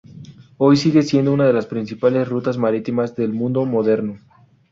Hoy sigue siendo una de las principales rutas marítimas del mundo moderno.